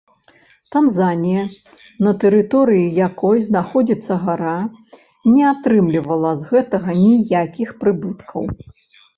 Танзанія, на тэрыторыі якой знаходзіцца гара, не атрымлівала з гэтага ніякіх прыбыткаў.